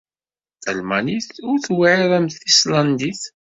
Talmanit ur tewɛiṛ am tislandit.